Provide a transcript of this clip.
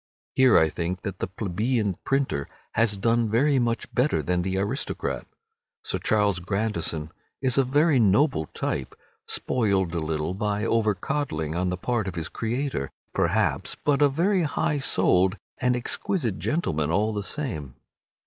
Here I think that the plebeian printer has done very much better than the aristocrat. Sir Charles Grandison is a very noble type—spoiled a little by over coddling on the part of his creator, perhaps, but a very high souled and exquisite gentleman all the same.